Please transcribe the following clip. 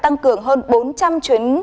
tăng cường hơn bốn trăm linh chuyến